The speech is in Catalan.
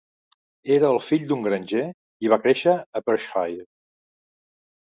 Era el fill d'un granger i va créixer a Perthshire.